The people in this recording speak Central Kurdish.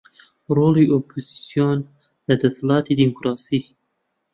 ڕۆڵی ئۆپۆزسیۆن لە دەسەڵاتی دیموکراسی